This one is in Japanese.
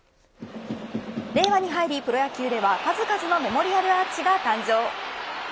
令和に入り、プロ野球では数々のメモリアルアーチが誕生。